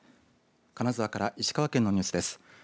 金沢から石川県のニュースです。